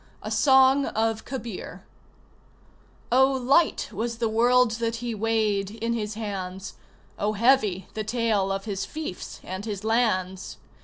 A SONG OF KABIR Oh, light was the world that he weighed in his hands! Oh, heavy the tale of his fiefs and his lands!